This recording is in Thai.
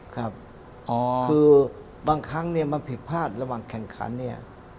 ครับคือบางครั้งเนี่ยมันผิดพลาดระหว่างแข่งขันเนี่ย